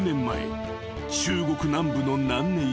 ［中国南部の南寧市］